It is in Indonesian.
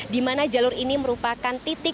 di mana jalur ini merupakan titik